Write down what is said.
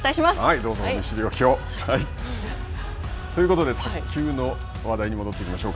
どうぞ、お見知りおきを。ということで、卓球の話題に戻っていきましょうか。